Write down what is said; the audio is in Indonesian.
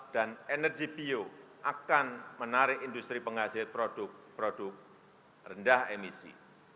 dan energi bio akan menarik industri penghasil produk produk rendah emisi